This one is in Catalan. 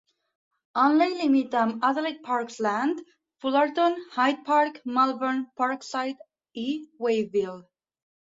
Unley limita amb Adelaide Park Lands, Fullarton, Hyde Park, Malvern, Parkside i Wayville.